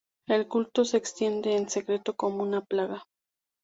El culto se extiende en secreto, "como una plaga".